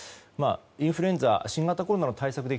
インフルエンザ新型コロナの対策で